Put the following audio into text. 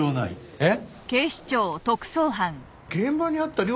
えっ？